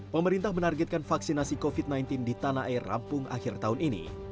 pemerintah menargetkan vaksinasi covid sembilan belas di tanah air rampung akhir tahun ini